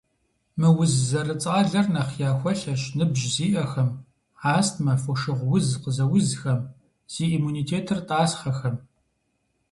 Мы уз зэрыцӀалэр нэхъ яхуэлъэщ ныбжь зиӀэхэм, астмэ, фошыгъу уз къызэузхэм, зи иммунитетыр тӀасхъэхэм.